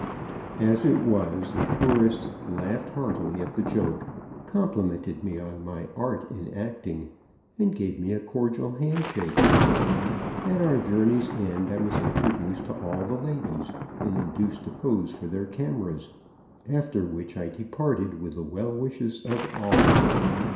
As it was, the tourist laughed heartily at the joke, complimented me on my art in acting and gave me a cordial handshake. At our journey's end I was introduced to all the ladies, and induced to pose for their cameras, after which I departed with the well wishes of all.